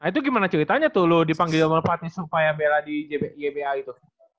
nah itu gimana ceritanya tuh lo dipanggil merpati supaya bela di yba gitu